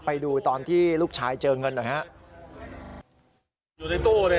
ไปดูตอนที่ลูกชายเจอเงินหน่อยครับ